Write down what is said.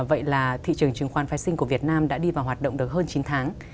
vậy là thị trường chứng khoán phái sinh của việt nam đã đi vào hoạt động được hơn chín tháng